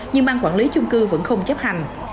nhưng bang quản lý chung cư vẫn không chấp hành